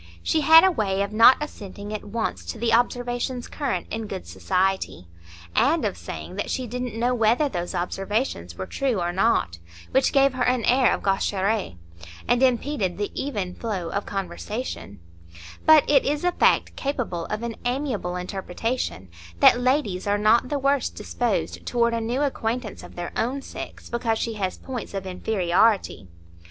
She had a way of not assenting at once to the observations current in good society, and of saying that she didn't know whether those observations were true or not, which gave her an air of gaucherie, and impeded the even flow of conversation; but it is a fact capable of an amiable interpretation that ladies are not the worst disposed toward a new acquaintance of their own sex because she has points of inferiority.